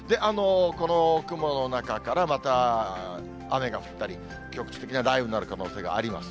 この雲の中からまた雨が降ったり、局地的な雷雨になる可能性があります。